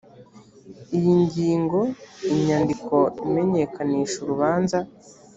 iyi ngingo inyandiko imenyekanisha urubanza